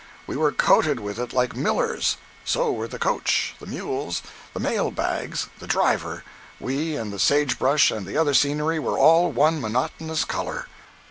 We were coated with it like millers; so were the coach, the mules, the mail bags, the driver—we and the sage brush and the other scenery were all one monotonous color.